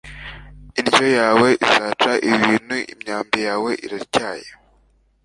Indyo yawe izaca ibintu imyambi yawe iratyaye